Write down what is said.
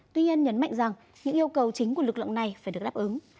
tuy nhiên nhấn mạnh rằng những yêu cầu chính của lực lượng này phải được đáp ứng